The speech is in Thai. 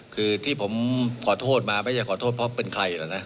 คือที่ผมขอโทษมาไม่ใช่ขอโทษเพราะเป็นใครแล้วนะ